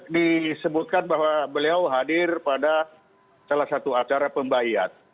disebutkan bahwa beliau hadir pada salah satu acara pembayat